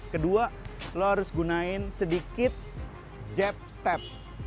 kedua lo harus gunain sedikit jab step